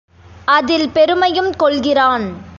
அதில் பெருமையும் கொள்கிறான்.